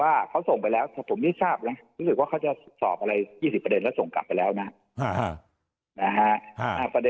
ว่าเขาส่งไปแล้วผมไม่ทราบนะรู้สึกว่าเขาจะสอบอะไร๒๐ประเด็นแล้วส่งกลับไปแล้วนะ